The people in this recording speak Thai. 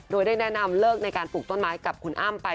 โดยได้แนะนำเลิกในการปลูกต้นไม้กับคุณอ้ำไป